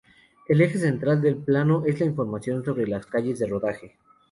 El eje central del plano es la información sobre las calles de rodaje.